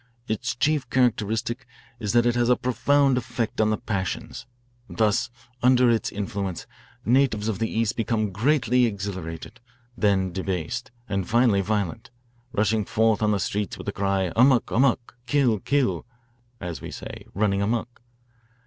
Its chief characteristic is that it has a profound effect on the passions. Thus, under its influence, natives of the East become greatly exhilarated, then debased, and finally violent, rushing forth on the streets with the cry, 'Amok, amok,' ' Kill, kill ' as we say, 'running amuck.'